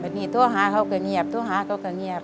นี่โทรหาเขาก็เงียบโทรหาเขาก็เงียบ